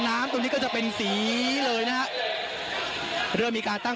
น้ำตรงนี้ก็จะเป็นสีเลยนะฮะเริ่มมีการตั้ง